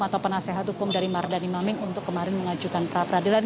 atau penasehat hukum dari mardani maming untuk kemarin mengajukan pra peradilan